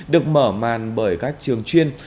được mở màn bởi các trường chuyên